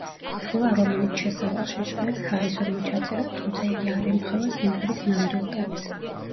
თვლა, რომელიც შესავალში ჟღერს, ჰარისონმა ჩაწერა, თუმცა იგი არ ემთხვევა სიმღერის ნამდვილ ტემპს.